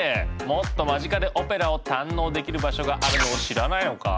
もっと間近でオペラを堪能できる場所があるのを知らないのか？